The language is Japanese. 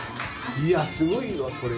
いやすごいわこれ。